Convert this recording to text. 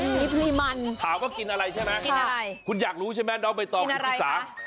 นิพลีมันหาก็กินอะไรใช่ไหมคุณอยากรู้ใช่ไหมเราไปต่อคุณพี่สาม